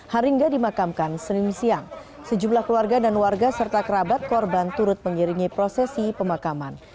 haringga dimakamkan senin siang sejumlah keluarga dan warga serta kerabat korban turut mengiringi prosesi pemakaman